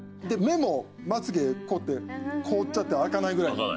で目もまつげ凍って凍っちゃって開かないぐらい。